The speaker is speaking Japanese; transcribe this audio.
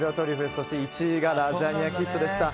そして１位がラザニアキットでした。